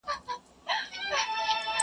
د غیرت ټیټو شملو ته لوپټه له کومه راوړو.!